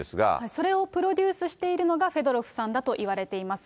それをプロデュースしているのがフェドロフさんだといわれています。